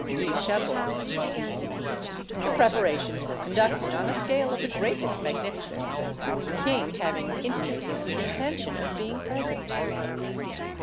"GUY CHABOT." The preparations were conducted on a scale of the greatest magnificence, the king having intimated his intention of being present.